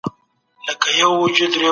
د لویې جرګي ګډونوال څنګه کابل ته راځي؟